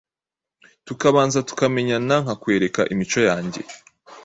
tukabanza tukamenyana, nkamwereka imico yange